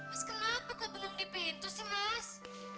mas kenapa kok belum di pintu sih mas